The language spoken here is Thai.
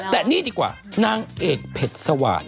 แต่นี่ดีกว่านางเอกเผ็ดสวาสตร์